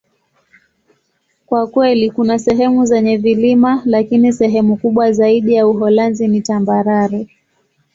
Kwa kweli, kuna sehemu zenye vilima, lakini sehemu kubwa zaidi ya Uholanzi ni tambarare.